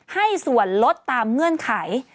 ให้ส่วนลดตามเงื่อนไข